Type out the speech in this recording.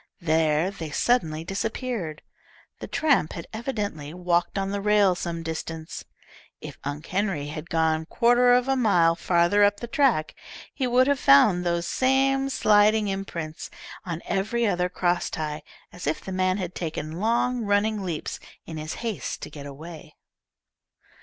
There they suddenly disappeared. The tramp had evidently walked on the rail some distance. If Unc' Henry had gone quarter of a mile farther up the track, he would have found those same sliding imprints on every other crosstie, as if the man had taken long running leaps in his haste to get away.